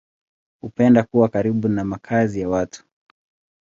Hupenda kuwa karibu na makazi ya watu.